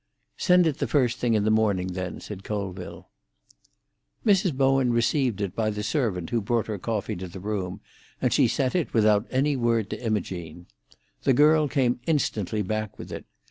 "Send it the first thing in the morning, then," said Colville. Mrs. Bowen received it by the servant who brought her coffee to the room, and she sent it without any word to Imogene. The girl came instantly back with it.